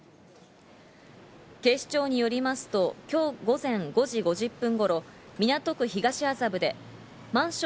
警視庁によりますと、今日午前５時５０分頃、港区東麻布でマンシ